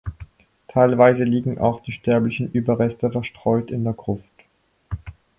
Teilweise liegen auch die sterblichen Überreste verstreut in der Gruft.